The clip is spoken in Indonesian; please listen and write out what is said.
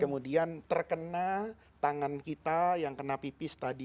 kemudian terkena tangan kita yang kena pipis tadi